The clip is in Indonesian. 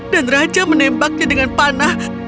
dan raja menembaknya dengan panah